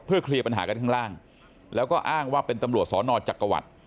เคลียร์ปัญหากันข้างล่างแล้วก็อ้างว่าเป็นตำรวจสอนอจักรวรรดิ